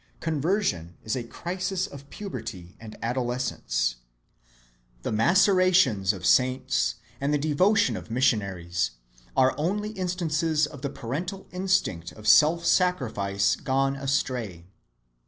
Conversion is a crisis of puberty and adolescence. The macerations of saints, and the devotion of missionaries, are only instances of the parental instinct of self‐sacrifice gone astray.